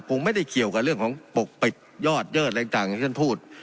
คงไม่ได้เกี่ยวกับเรื่องของปกปิดยอดเยิดอะไรต่างที่ท่านพูด